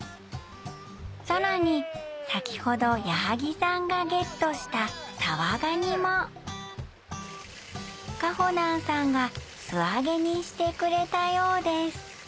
更に先ほど矢作さんがゲットしたサワガニもかほなんさんが素揚げにしてくれたようです